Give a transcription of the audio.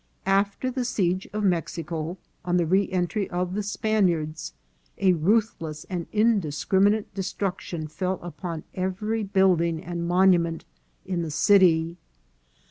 After the siege of Mexico, on the re entry of the Spaniards, a ruthless and indiscriminate destruc tion fell upon every building and monument in the city.